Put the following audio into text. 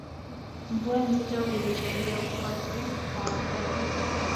Mvua nzito ilichangia ukuaji wa majani